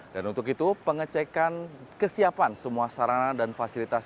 dan untuk itu pengecekan kesiapan semua sarana dan fasilitas